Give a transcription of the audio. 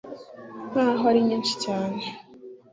nk aho ari nyinshi cyane